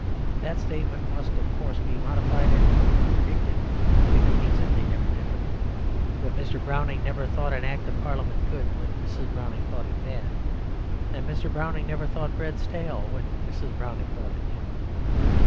That statement must, of course, be modified and even contradicted if it means that they never differed; that Mr. Browning never thought an Act of Parliament good when Mrs. Browning thought it bad; that Mr. Browning never thought bread stale when Mrs. Browning thought it new.